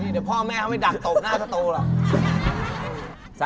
เดี๋ยวพ่อแม่เขาไปดักโตบหน้าสตูล่ะ